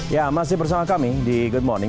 ya masih bersama kami di good morning